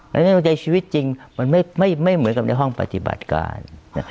และในหัวใจชีวิตจริงมันไม่เหมือนกับในห้องปฏิบัติการ